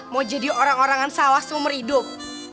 mau jadi orang orangan sawah seumur hidup